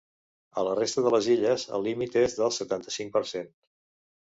A la resta de les Illes, el límit és del setanta-cinc per cent.